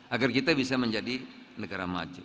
agar kita bisa menjadi negara maju